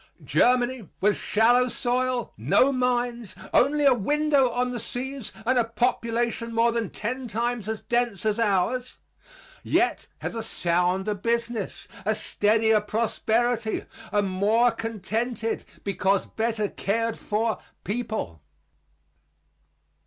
Germany, with shallow soil, no mines, only a window on the seas and a population more than ten times as dense as ours, yet has a sounder business, a steadier prosperity, a more contented because better cared for people.